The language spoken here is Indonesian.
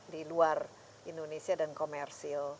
di luar indonesia dan komersil